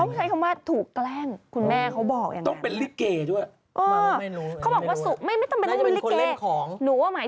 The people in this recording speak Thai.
ใช้คำว่าถูกแกล้งคุณแม่เขาบอกอย่างนี้